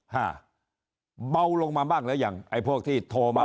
ห้าเบาลงมาบ้างหรือยังไอ้พวกที่โทรมา